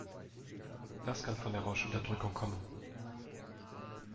Das kann von der Rauschunterdrückung kommen.